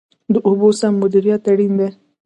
د اوبو سم مدیریت اړین دی